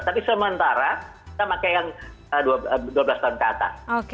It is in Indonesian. tapi sementara kita pakai yang dua belas tahun ke atas